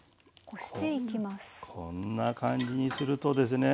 こんな感じにするとですね